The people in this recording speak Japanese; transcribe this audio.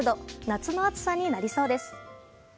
夏の暑さになりそうです。